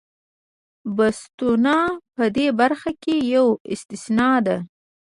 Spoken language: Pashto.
بوتسوانا په دې برخه کې یوه استثنا ده.